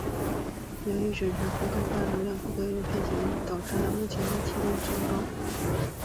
由于拱的内弧面大量不规则的变形导致了目前拱的形状。